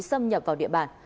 xâm nhập vào địa bàn